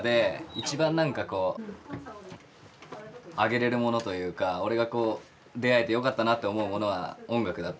一番何かこうあげれるものというか俺が出会えてよかったなと思うものは音楽だったから。